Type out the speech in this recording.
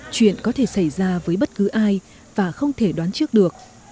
chuyện có thể xảy ra với bất cứ ai và không thể đoán trước được